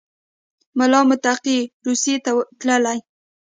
ملا متقي روسیې ته تللی